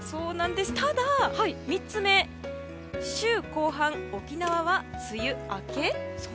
ただ週後半、沖縄は梅雨明け。